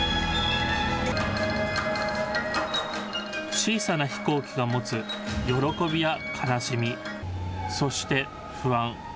小さな飛行機が持つ喜びや悲しみ、そして不安。